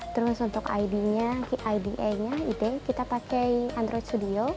terus untuk id nya kita pakai android studio